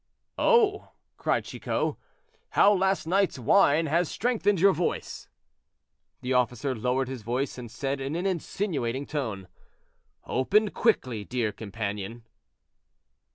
"Oh!" cried Chicot; "how last night's wine has strengthened your voice." The officer lowered his voice, and said in an insinuating tone, "Open quickly, dear companion."